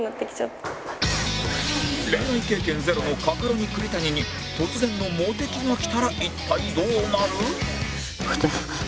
恋愛経験ゼロのカカロニ栗谷に突然のモテキが来たら一体どうなる？